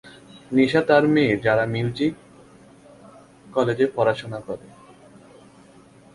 নিশা তার মেয়ে যারা মিউজিক কলেজে পড়াশোনা করে।